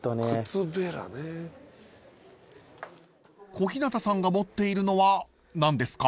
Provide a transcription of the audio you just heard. ［小日向さんが持っているのは何ですか？］